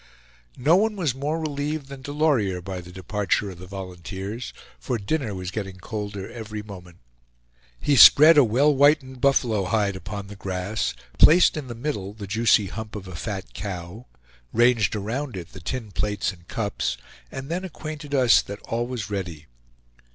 No one was more relieved than Delorier by the departure of the volunteers; for dinner was getting colder every moment. He spread a well whitened buffalo hide upon the grass, placed in the middle the juicy hump of a fat cow, ranged around it the tin plates and cups, and then acquainted us that all was ready.